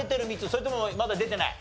それともまだ出てない？